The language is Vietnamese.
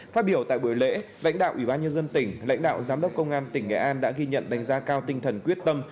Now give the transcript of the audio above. phát biểu tại buổi lễ lãnh đạo ủy ban nhân dân tỉnh lãnh đạo giám đốc công an tỉnh nghệ an đã ghi nhận đánh giá cao tinh thần quyết tâm